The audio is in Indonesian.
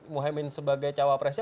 muhaymin sebagai cawapresnya